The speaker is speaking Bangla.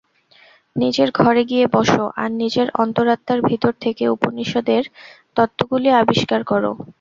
নিজের ঘরে গিয়ে বস, আর নিজের অন্তরাত্মার ভিতর থেকে উপনিষদের তত্ত্বগুলি আবিষ্কার কর।